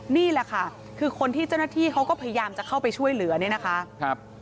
นี่แหละค่ะคือคนที่เจ้าหน้าที่เขาก็พยายามจะเข้าไปช่วยเหลือเนี่ยนะคะ